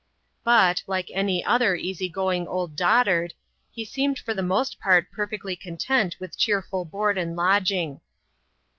But, like any other easy going old dotard, he seemed for the most part perfectly content with cheerful board and lodging.